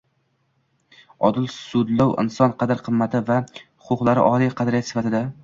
Odil sudlov, inson qadr-qimmati va huquqlari oliy qadriyat sifatida